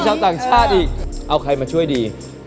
ชาวต่างชาติอีกเอาใครมาช่วยดี